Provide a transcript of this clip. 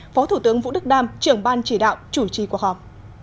phó thủ tướng vũ đức đam trưởng ban chỉ đạo chủ trì cuộc họp